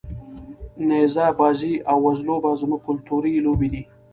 نیزه بازي او وزلوبه زموږ کلتوري لوبې دي.